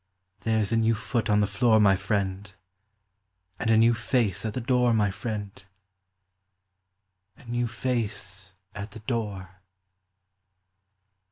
There 's a new foot on the floor, my friend, And a new face at the door, my friend, A new face at the door.